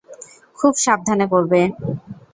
খুব সাবধানে করবে।